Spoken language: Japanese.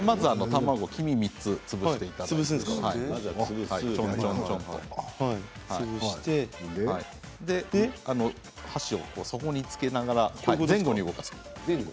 卵をまず潰していただいて箸を底につけながら前後に動かす。